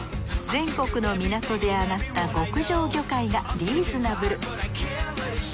全国の港であがった極上魚介がリーズナブル。